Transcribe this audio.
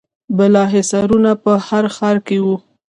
بالاحصارونه په هر ښار کې وو